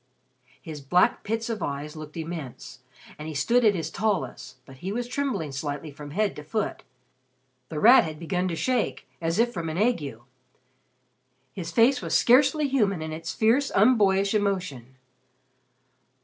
His black pits of eyes looked immense, and he stood at his tallest, but he was trembling slightly from head to foot. The Rat had begun to shake, as if from an ague. His face was scarcely human in its fierce unboyish emotion.